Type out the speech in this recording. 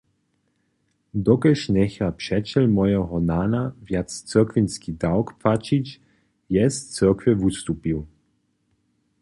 Dokelž njecha přećel mojeho nana wjace cyrkwinski dawk płaćić, je z cyrkwje wustupił.